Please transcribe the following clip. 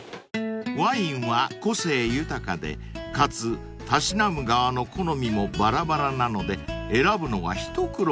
［ワインは個性豊かでかつたしなむ側の好みもバラバラなので選ぶのが一苦労］